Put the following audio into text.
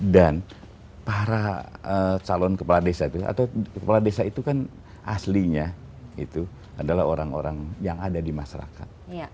dan para calon kepala desa itu atau kepala desa itu kan aslinya itu adalah orang orang yang ada di masyarakat